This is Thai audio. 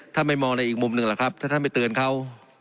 ถ้าไม่มองในอีกมุมหนึ่งแหละครับถ้าถ้าไม่เตือนเขา